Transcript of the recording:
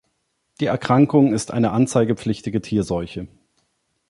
Die Erkrankung ist eine anzeigepflichtige Tierseuche.